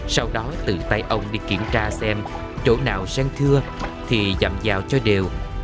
sau đó tự tay ông đi kiểm tra xem chỗ nào sen thưa thì dặm dạo cho đều